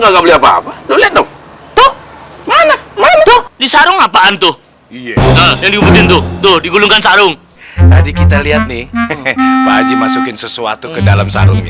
kagak beli apa apa tuh lihat dong tuh mana mana tuh di sarung apaan tuh iya yang dikumpulin tuh tuh digulungkan sarung tadi kita lihat nih he he pak haji masukin sesuatu ke dalam sarungnya